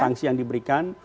sangsi yang diberikan